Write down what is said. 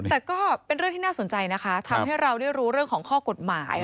แต่ก็เป็นเรื่องที่น่าสนใจนะคะทำให้เราได้รู้เรื่องของข้อกฎหมาย